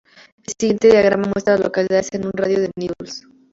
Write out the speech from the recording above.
El siguiente diagrama muestra a las localidades en un radio de de Needles.